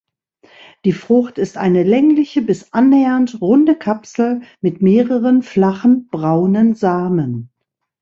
Die Frucht ist eine längliche bis annähernd runde Kapsel mit mehreren flachen, braunen Samen.